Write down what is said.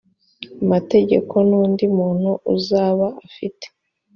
mategeko n undi muntu uzaba afite